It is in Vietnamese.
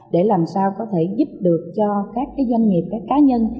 để làm sao có thể giúp được cho các doanh nghiệp các cá nhân